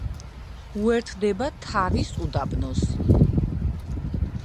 უერთდება თარის უდაბნოს.